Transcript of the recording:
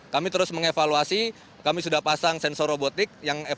kami terus mengevaluasi kami sudah pasang sensor robotik